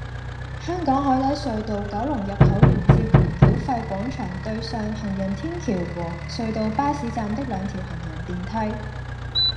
香港海底隧道九龍入口連接繳費廣場對上行人天橋和隧道巴士站的兩條行人電梯